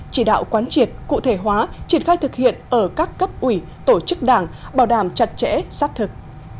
chỉ đạo quán triệt cụ thể hóa triệt khai thực hiện ở các cấp ủy tổ chức đảng bảo đảm chặt chẽ sát thực